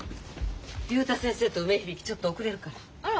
竜太先生と梅響ちょっと遅れるから。